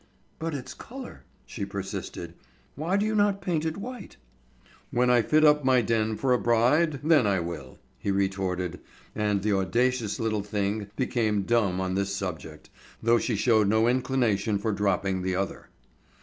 "But its color," she persisted; "why do you not paint it white?" "When I fit up my den for a bride, then I will," he retorted, and the audacious little thing became dumb on this subject, though she showed no inclination for dropping the other.